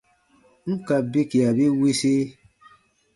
N ka bikia bi wisi,